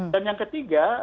dan yang ketiga